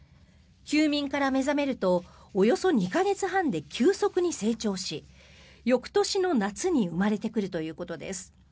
休眠から目覚めるとおよそ２か月半で急速に成長し翌年の夏に生まれてくるということです。